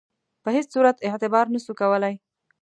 په هیڅ صورت اعتبار نه سو کولای.